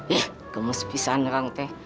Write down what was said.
ih gemes pisan orang teh